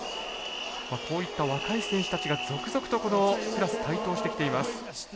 こういった若い選手たちが続々とこのクラス、台頭してきています。